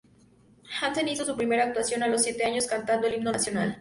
Hansen hizo su primera actuación a los siete años cantando el himno nacional.